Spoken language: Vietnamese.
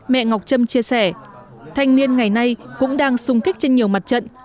mẹ ngọc trâm chia sẻ thanh niên ngày nay cũng đang xung kích trên nhiều mặt trận